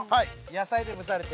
野菜で蒸されて。